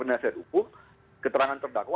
penyelesaian hukum keterangan terdakwa